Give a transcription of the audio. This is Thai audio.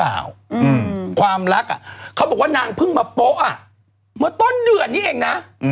ว่าความรักเพิ่งมาโป๊ะมาตอนเดือนนี้เองนะ